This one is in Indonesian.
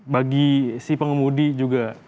bagi si pengemudi juga